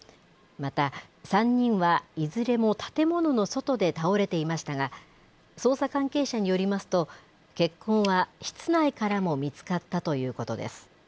また、３人はいずれも建物の外で倒れていましたが、捜査関係者によりますと、血痕は室内からも見つかったということです。